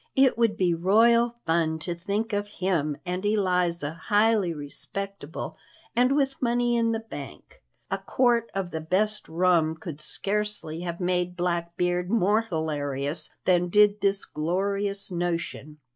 It would be royal fun to think of him and Eliza highly respectable and with money in the bank. A quart of the best rum could scarcely have made Blackbeard more hilarious than did this glorious notion.